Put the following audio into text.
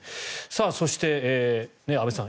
そして安部さん